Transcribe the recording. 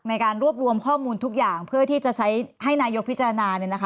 ในการรวบรวมข้อมูลทุกอย่างเพื่อที่จะใช้ให้นายกพิจารณา